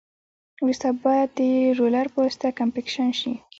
وروسته باید د رولر په واسطه کمپکشن شي